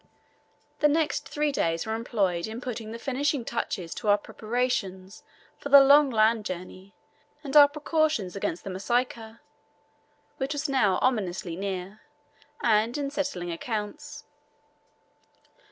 The next three days were employed in putting the finishing touches to our preparations for the long land journey and our precautions against the Masika, which was now ominously near, and in settling accounts.